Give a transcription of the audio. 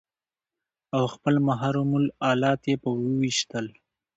او خپل محرم الات يې په وويشتل.